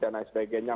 dan lain sebagainya